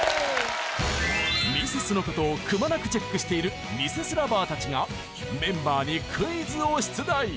ミセスの事をくまなくチェックしているミセス ＬＯＶＥＲ たちがメンバーにクイズを出題